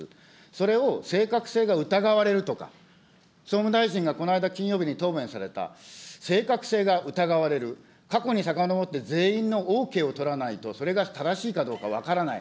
それを正確性が疑われるとか、総務大臣がこの間、金曜日に答弁された、正確性が疑われる、過去にさかのぼって全員のＯＫを取らないと、それが正しいかどうか分からない。